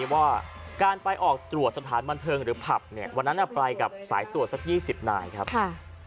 ว่าการไปออกตรวจสถานบันเทิงหรือผับเนี่ยวันนั้นไปกับสายตรวจสัก๒๐นายครับ